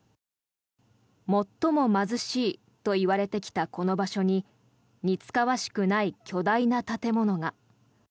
最も貧しいといわれてきたこの場所に似つかわしくない巨大な建物が。